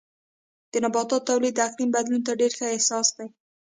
د نباتاتو تولید د اقلیم بدلون ته ډېر حساس دی.